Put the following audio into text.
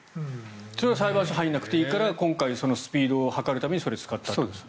それは裁判所、入らなくていいから今回はスピードを図るためにそれを使ったと。